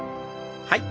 はい。